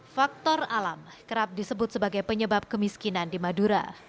faktor alam kerap disebut sebagai penyebab kemiskinan di madura